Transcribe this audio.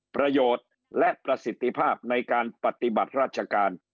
ประโยชน์และประสิทธิภาพในการปฏิบัติราชการ